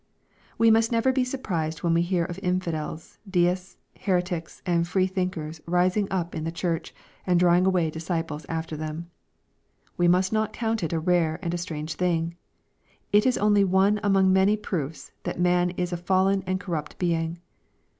We must never be surprised when we hear of infidels, deists, heretics and free thinkers rising up in the Church, and drawing away disciples after them. We must not count it a rare and a strange thing. It is only one among many proofs that man is a fallen and corrupt being.